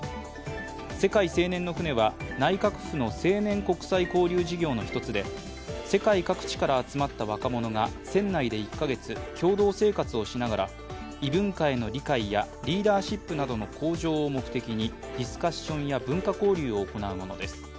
世界青年の船は内閣府の青年国際交流事業の１つで世界各地から集まった若者が船内で１か月共同生活をしながら、異文化への理解やリーダーシップなどの向上を目的にディスカッションや文化交流を行うものです。